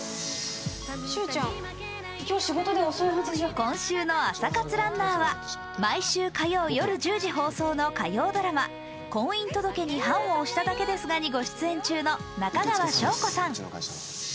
今週の朝活ランナーは毎週火曜夜１０時放送の火曜ドラマ「婚姻届に判を捺しただけですが」にご出演中の中川翔子さん。